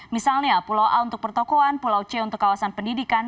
misalnya pulau a untuk pertokohan pulau c untuk kawasan pendidikan